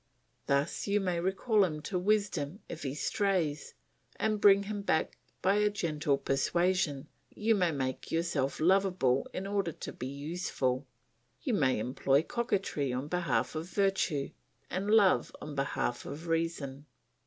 Thus you may recall him to wisdom, if he strays, and bring him back by a gentle persuasion, you may make yourself lovable in order to be useful, you may employ coquetry on behalf of virtue, and love on behalf of reason.